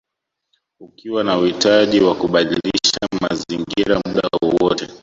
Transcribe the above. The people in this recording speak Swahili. Ukiwa na uhitaji wa kubadilisha mazingira muda wowote